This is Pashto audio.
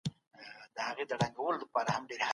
د رايه ورکوونکو چلند د سياست مهم بحث دی.